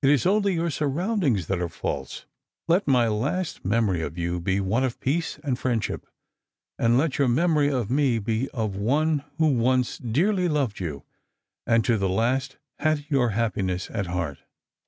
It is only your surroundings that are false. Let my last memory of you be one of peace and friendship, and let your memory of me be of one who once dearly loved you, and to the last had your happiness at heart."